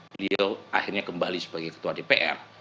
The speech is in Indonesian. beliau akhirnya kembali sebagai ketua dpr